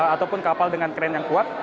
ataupun kapal dengan kren yang kuat